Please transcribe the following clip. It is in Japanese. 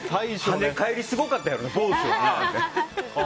跳ね返りすごかったやろうな。